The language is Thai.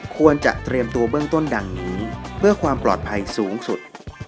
ควรจะเตรียมตัวเบื้องต้นดังนี้เพื่อความปลอดภัยสูงสุด